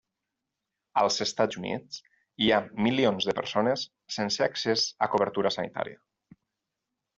Als Estats Units, hi ha milions de persones sense accés a cobertura sanitària.